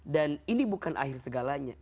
dan ini bukan akhir segalanya